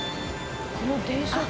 この電飾。